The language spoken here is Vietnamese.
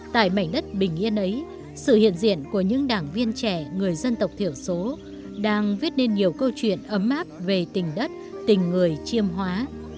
tại mảnh đất bình yên ấy sự hiện diện của những đảng viên trẻ người dân tộc thiểu số đang viết nên nhiều câu chuyện ấm áp về tình đất tình người chiêm hóa